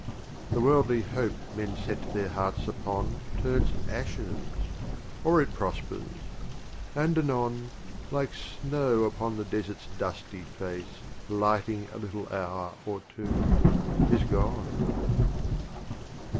XVI. The Worldly Hope men set their Hearts upon Turns Ashes — or it prospers; and anon, Like Snow upon the Desert's dusty Face, Lighting a little hour or two — is gone.